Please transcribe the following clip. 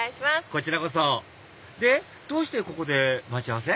こちらこそでどうしてここで待ち合わせ？